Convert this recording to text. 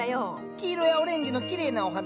黄色やオレンジのきれいなお花だね。